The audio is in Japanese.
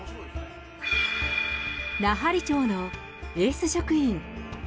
奈半利町のエース職員。